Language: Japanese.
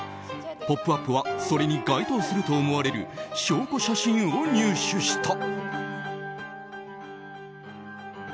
「ポップＵＰ！」はそれに該当すると思われる証拠写真を入手した。